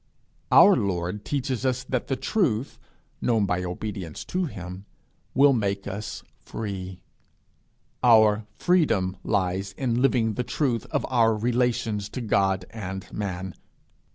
Our Lord teaches us that the truth, known by obedience to him, will make us free: our freedom lies in living the truth of our relations to God and man.